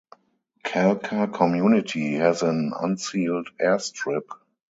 Kalka Community has an unsealed airstrip.